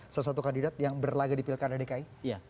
salah satu kandidat yang berlaga di pilkada dki